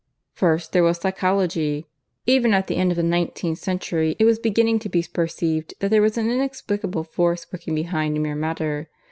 "First there was Psychology. "Even at the end of the nineteenth century it was beginning to be perceived that there was an inexplicable force working behind mere matter.